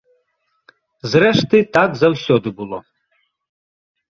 Зрэшты, так заўсёды было.